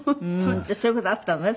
そういう事あったのね？